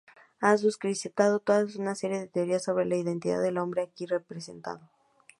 Ha suscitado toda una serie de teorías sobre la identidad del hombre aquí representado.